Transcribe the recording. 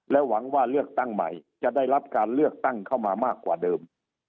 หวังว่าเลือกตั้งใหม่จะได้รับการเลือกตั้งเข้ามามากกว่าเดิม